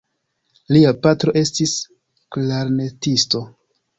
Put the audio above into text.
Lia patro estis klarnetisto.